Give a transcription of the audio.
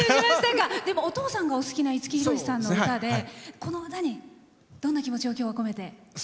でも、お父さんがお好きな五木ひろしさんの歌でこの歌にどんな気持ちを今日は込めて。